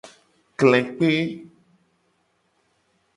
Kle kpe.